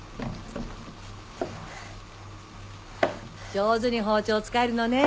上手に包丁を使えるのね。